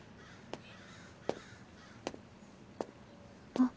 あっ。